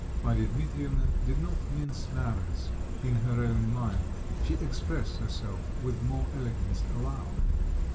Marya Dmitrievna did not mince matters in her own mind; she expressed herself with more elegance aloud.